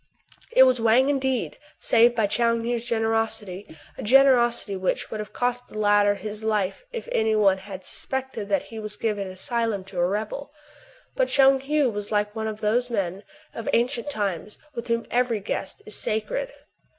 It was Wang indeed, saved by Tchoung Heou's generosity, — a generosity which would have cost the latter his life if any one had suspected that he was giving an asylum to a rebel. But Tchoung Heou was like one of those men of ancient times with whom every guest is sacred.